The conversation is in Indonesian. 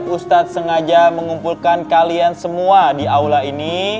ustadz sengaja mengumpulkan kalian semua di aula ini